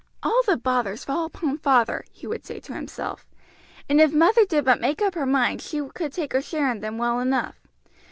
"All the bothers fall upon father," he would say to himself; "and if mother did but make up her mind she could take her share in them well enough.